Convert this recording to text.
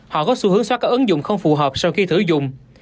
họ có xu hướng xóa các ứng dụng không phù hợp sau khi thử dùng